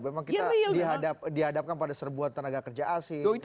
memang kita dihadapkan pada serbuan tenaga kerja asing